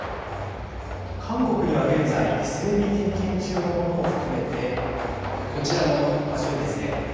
韓国には現在整備点検中のものも含めてこちらの場所にですね